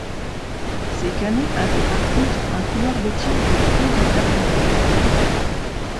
Ses canons avaient par contre un couloir de tir de plus de vers l'aval.